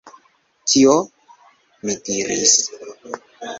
Kio? mi diris.